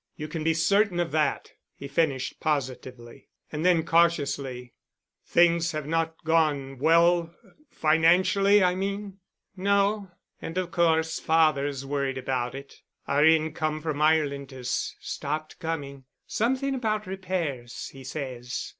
You can be certain of that," he finished positively. And then cautiously, "Things have not gone well—financially, I mean?" "No. And of course father's worried about it. Our income from Ireland has stopped coming—something about repairs, he says.